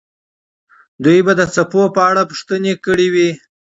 دوی به د څپو په اړه پوښتنه کړې وي.